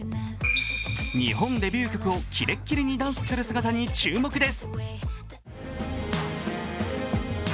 日本デビュー曲をキレッキレにダンスする姿に注目です。